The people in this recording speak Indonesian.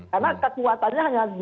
karena kekuatannya hanya